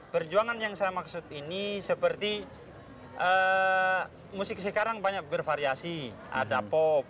perjuangan yang saya maksud ini seperti musik sekarang banyak bervariasi ada pop